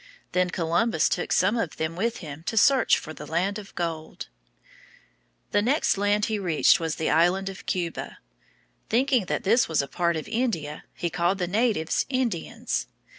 Then Columbus took some of them with him to search for the land of gold. The next land he reached was the island of Cuba. Thinking that this was a part of India, he called the natives Indians.